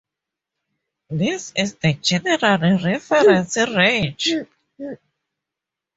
This is the general reference range.